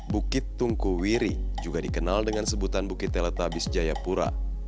bukit tungku wiri juga dikenal dengan sebutan bukit teletabis jayapura